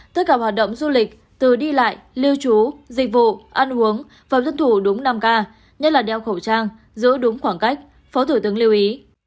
tất cả hoạt động du lịch từ đi lại lưu trú dịch vụ ăn uống và dân thủ đúng năm k nhất là đeo khẩu trang giữ đúng khoảng cách phó thủ tướng lưu ý